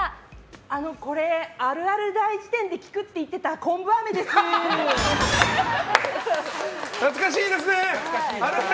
あの、これ「あるある大事典」で効くって言ってた懐かしいですね！